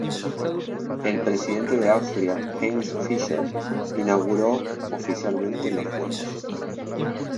El Presidente de Austria, Heinz Fischer, inauguró oficialmente los juegos.